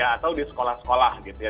atau di sekolah sekolah gitu ya